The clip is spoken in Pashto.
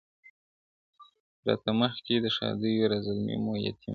راته مخ کې د ښادیو را زلمي مو یتیمان کې-